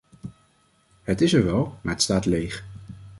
Het is er wel, maar het staat leeg.